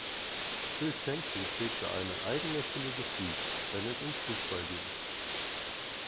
Bill Shankly pflegte eine eigene Philosophie, wenn es um Fußball ging.